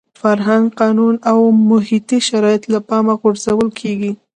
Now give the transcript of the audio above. فرهنګ، قانون او محیطي شرایط له پامه غورځول کېږي.